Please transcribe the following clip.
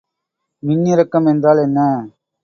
மின்னிறக்கம் என்றால் என்ன?